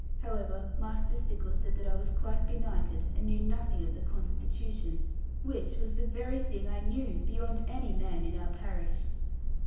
However, Master Stickles said that I was quite benighted, and knew nothing of the Constitution; which was the very thing I knew, beyond any man in our parish!